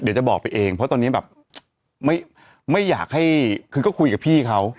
เดี๋ยวจะบอกไปเองเพราะตอนนี้แบบไม่อยากให้คือก็คุยกับพี่เขา